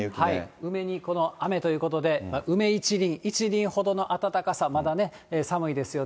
梅にこの雨ということで、梅一輪一輪ほどの暖かさ、まだね、寒いですよと。